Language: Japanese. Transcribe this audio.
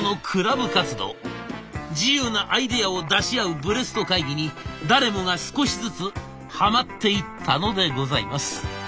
自由なアイデアを出し合うブレスト会議に誰もが少しずつはまっていったのでございます。